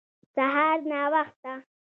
سهار ناوخته